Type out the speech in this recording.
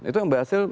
itu yang berhasil